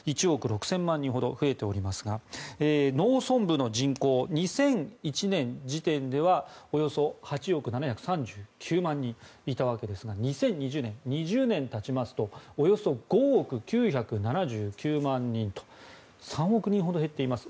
１億６０００万人ほど増えていますが農村部の人口、２００１年時点でおよそ８億７３９万人いたわけですが２０２０年、２０年たちますとおよそ５億９７９万人と３億人ほど減っています。